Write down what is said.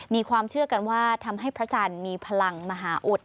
มีความเชื่อกันว่าทำให้พระจันทร์มีพลังมหาอุด